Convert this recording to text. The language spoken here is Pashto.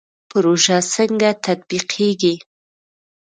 پروژه څنګه تطبیقیږي؟